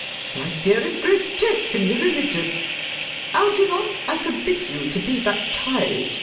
The idea is grotesque and irreligious! Algernon, I forbid you to be baptized.